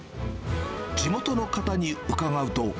地元の方に伺うと。